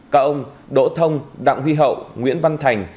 các ông đỗ thông đặng huy hậu nguyễn văn thành